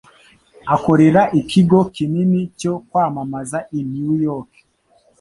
Akorera ikigo kinini cyo kwamamaza i New York.